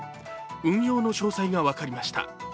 運用の詳細が分かりました。